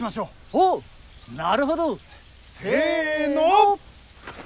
「おうなるほど！」。「せの！」。